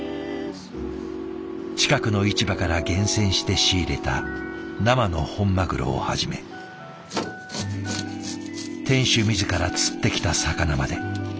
近くの市場から厳選して仕入れた生の本マグロをはじめ店主自ら釣ってきた魚まで。